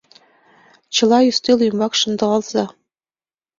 Чыла ӱстел ӱмбак шындылза.